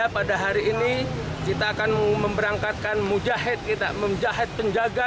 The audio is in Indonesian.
pada hari ini kita akan memperangkatkan memjahit penjaga